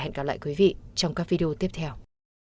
hẹn gặp lại quý vị trong các video tiếp theo